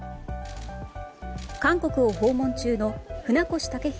韓国を訪問中の船越健裕